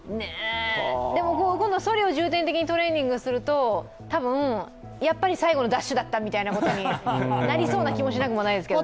でも、そりを重点的にトレーニングすると、やっぱり多分最後のダッシュだったみたいなことになりそうなことになる気がしますけどね。